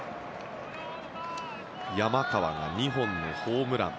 山川が２本のホームラン。